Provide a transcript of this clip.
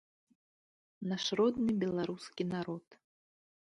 Наш родны беларускі народ!